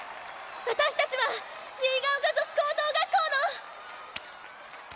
私たちは結ヶ丘女子高等学校の。